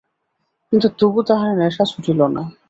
কিন্তু তবু তাহার নেশা ছুটিল না।